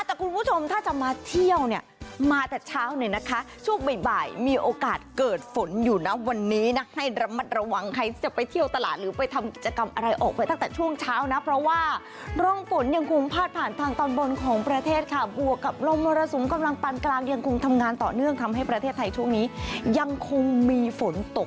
แต่คุณผู้ชมถ้าจะมาเที่ยวเนี่ยมาแต่เช้าเนี่ยนะคะช่วงบ่ายมีโอกาสเกิดฝนอยู่นะวันนี้นะให้ระมัดระวังใครจะไปเที่ยวตลาดหรือไปทำกิจกรรมอะไรออกไปตั้งแต่ช่วงเช้านะเพราะว่าร่องฝนยังคงพาดผ่านทางตอนบนของประเทศค่ะบวกกับลมมรสุมกำลังปานกลางยังคงทำงานต่อเนื่องทำให้ประเทศไทยช่วงนี้ยังคงมีฝนตก